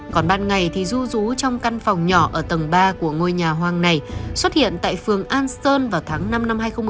còn ban ngày thì du rú trong căn phòng nhỏ ở tầng ba của ngôi nhà hoang này xuất hiện tại phường an sơn vào tháng năm năm hai nghìn một mươi ba